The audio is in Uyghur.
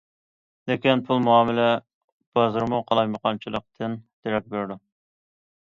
لېكىن پۇل مۇئامىلە بازىرىمۇ قالايمىقانچىلىقتىن دېرەك بېرىدۇ.